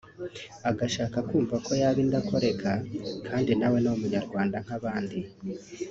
agashaka kumva ko yaba indakoreka kandi nawe ni umunyarwanda nk’abandi